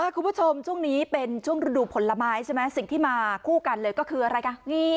คุณผู้ชมช่วงนี้เป็นช่วงฤดูผลไม้ใช่ไหมสิ่งที่มาคู่กันเลยก็คืออะไรคะ